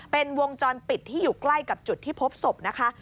เป็นวงจรปิดที่อยู่ใกล้กับจุดที่พบศพนะคะ